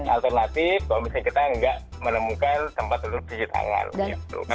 alternatif kalau misalnya kita nggak menemukan tempat untuk cuci tangan gitu